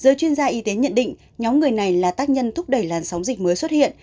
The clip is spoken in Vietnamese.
giới chuyên gia y tế nhận định nhóm người này là tác nhân thúc đẩy làn sóng dịch mới xuất hiện